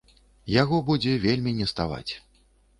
Яго будзе вельмі неставаць.